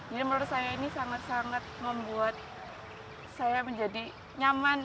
jadi menurut saya ini sangat sangat membuat saya menjadi nyaman